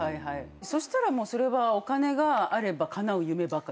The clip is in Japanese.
そしたらもうそれはお金があればかなう夢ばっか。